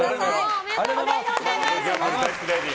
おめでとうございます！